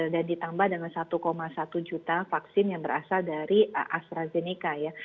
dan ditambah dengan satu satu juta vaksin yang berasal dari astrazeneca ya